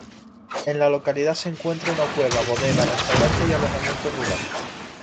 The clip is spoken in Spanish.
En la localidad se encuentra una cueva, bodega, restaurante y alojamiento rural.